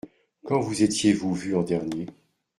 Quand vous étiez-vous vu en dernier ?